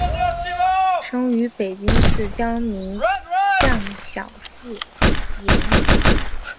生于北京西郊民巷小四眼井。